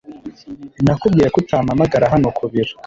Nakubwiye ko utampamagara hano ku biro.